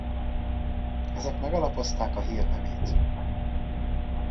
Ezek megalapozták a hírnevét.